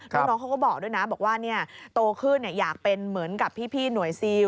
แล้วน้องเขาก็บอกด้วยนะบอกว่าเนี่ยโตขึ้นเนี่ยอยากเป็นเหมือนกับพี่หน่วยซีล